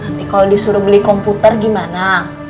nanti kalau disuruh beli komputer gimana